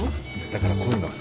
だからこういうのは。